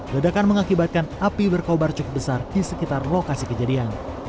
ledakan mengakibatkan api berkobar cukup besar di sekitar lokasi kejadian